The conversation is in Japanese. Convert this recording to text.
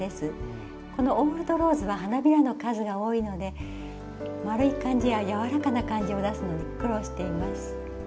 このオールドローズは花びらの数が多いので丸い感じや柔らかな感じを出すのに苦労しています。